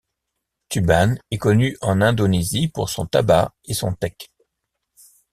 Tuban est connue en Indonésie pour son tabac et son teck.